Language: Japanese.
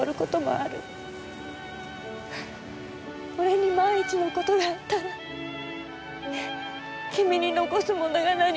「俺に万一の事があったら君に残すものが何もない」。